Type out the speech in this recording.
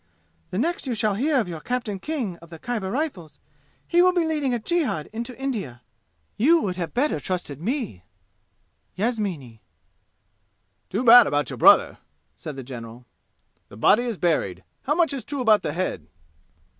The next you shall hear of your Captain King of the Khyber Rifles he will be leading a jihad into India. You would have better trusted me. Yasmini." "Too bad about your brother," said the general. "The body is buried. How much is true about the head?"